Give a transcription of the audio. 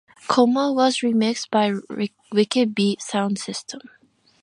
"Coma" was remixed by Wicked Beat Sound System.